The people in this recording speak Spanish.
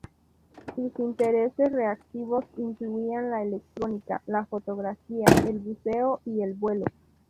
Sus intereses recreativos incluían la electrónica, la fotografía, el buceo y el vuelo.